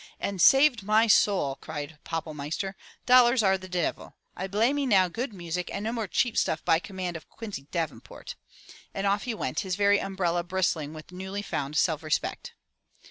"And saved my soul!" cried Pappelmeister. "Dollars are de devil. I blay me now good music and no more cheap stuff by command of Quincy Davenport!" And off he went, his very umbrella bristling with newly found self respect.